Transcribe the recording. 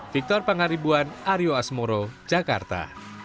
victor pangaribuan aryo asmoro jakarta